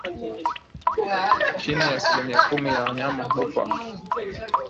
Chini ya asilimia kumi ya wanyama hufa